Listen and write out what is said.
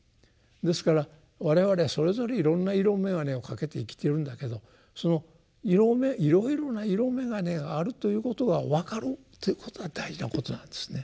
ですから我々はそれぞれいろんな色眼鏡を掛けて生きてるんだけどそのいろいろな色眼鏡があるということが分かるということが大事なことなんですね。